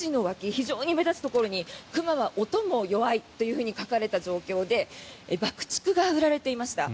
非常に目立つところに熊は音にも弱いと書かれた状況で爆竹が売られていました。